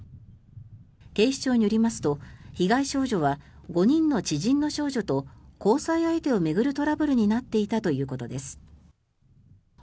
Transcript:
警視庁によりますと被害少女は５人の知人の少女と交際相手を巡るトラブルになっていたということです。